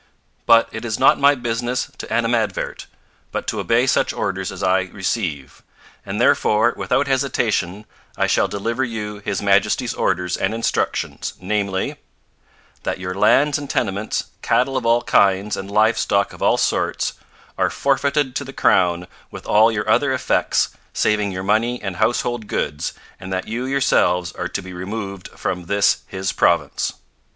But it is not my business to animadvert, but to obey such orders as I receive; and therefore without hesitation I shall deliver you His Majesty's orders and instructions, namely: That your lands and tenements, cattle of all kinds and live stock of all sorts are forfeited to the Crown with all your other effects, saving your money and household goods, and that you yourselves are to be removed from this his province.